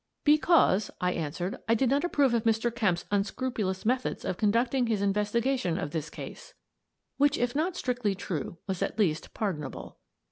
"Because," I answered, "I did not approve of Mr. Kemp's unscrupulous methods of conducting his investigation of this case." — Which, if not strictly true, was at least pardonable.